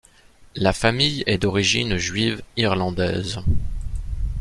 La famille est d'origine Juive-Irlandaise.